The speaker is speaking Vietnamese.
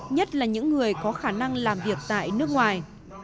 nhất là những người có khả năng làm việc tại nước ngoài